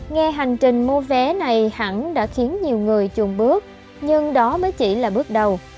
nghe hành trình mua vé này hẳn đã khiến nhiều người chùn bước nhưng đó mới chỉ là bước đầu